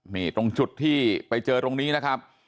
นี่ตรงจุดที่ไปเจอตรงนี้นะครับ